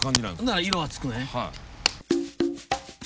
なら色はつくね。